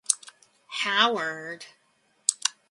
Howard.